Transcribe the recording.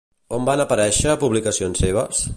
On van aparèixer publicacions seves?